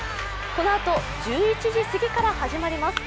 このあと１１時過ぎから始まります。